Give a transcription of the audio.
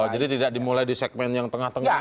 jadi tidak dimulai di segmen yang tengah tengah